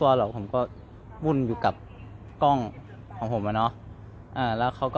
เวลาที่สุดตอนที่สุด